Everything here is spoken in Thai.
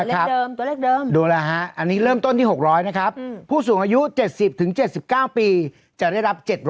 ใช่ครับตัวเลขเดิม